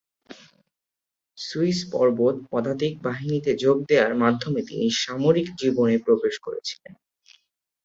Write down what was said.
Swiss পর্বত পদাতিক বাহিনীতে যোগ দেয়ার মাধ্যমে তিনি সামরিক জীবনে প্রবেশ করেছিলেন।